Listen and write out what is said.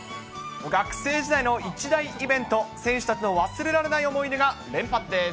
学生時代の一大イベント、選手たちの忘れられない思い出が連発です。